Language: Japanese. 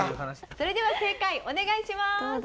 それでは正解お願いします。